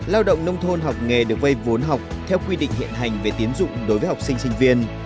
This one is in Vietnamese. lao động nông thôn học nghề được vây vốn học theo quy định hiện hành về tiến dụng đối với học sinh sinh viên